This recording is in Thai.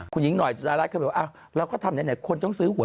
คุณหญิงหน่อยสุดารัฐเคยบอกว่าเราก็ทำไหนคนต้องซื้อหวย